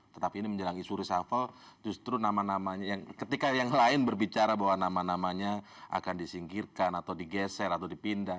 tetapi ini menjelang isu reshuffle justru nama namanya yang ketika yang lain berbicara bahwa nama namanya akan disingkirkan atau digeser atau dipindah